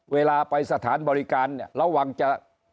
เวลาไปสถานบริการเนี่ยระวังจะ